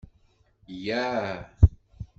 Yya!